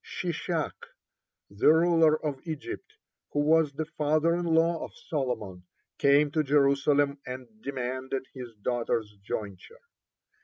Shishak, (13) the ruler of Egypt, who was the father in law of Solomon, came to Jerusalem and demanded his daughter's jointure.